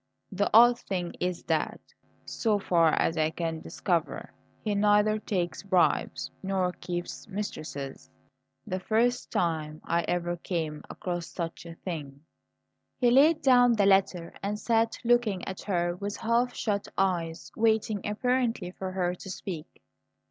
The odd thing is that, so far as I can discover, he neither takes bribes nor keeps mistresses the first time I ever came across such a thing.'" He laid down the letter and sat looking at her with half shut eyes, waiting, apparently, for her to speak.